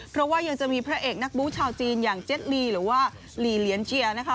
เพราะว่ายังจะมีพระเอกนักบู้ชาวจีนอย่างเจ็ดลีหรือว่าหลีเหลียนเชียร์นะคะ